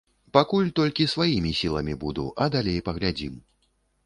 Пакуль толькі сваімі сіламі буду, а далей паглядзім.